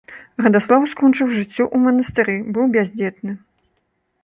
Радаслаў скончыў жыццё ў манастыры, быў бяздзетны.